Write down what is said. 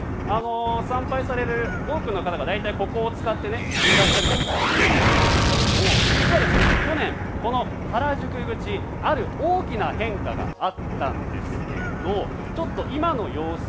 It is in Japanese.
参拝される多くの方が大体ここを使っていらっしゃるということですが実は去年、この原宿口ある大きな変化があったんですがちょっと今の様子